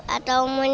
atau menit wayang